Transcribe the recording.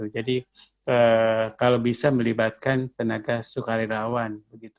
kalau bisa melibatkan tenaga sukarelawan